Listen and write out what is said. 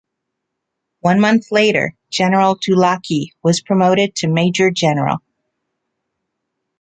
One month later, General Dulacki was promoted to major general.